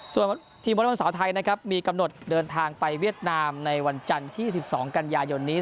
ส่วนทีมวิราณวันสาวไทมีกำหนดเดินทางไปเวียดนามในวันจันที่๑๒กันยายุ่นนี้